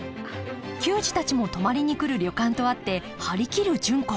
球児たちも泊まりに来る旅館とあって張り切る純子。